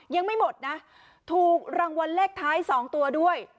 ยังไม่หมดนะถูกรางวัลเลขท้าย๒ตัวด้วย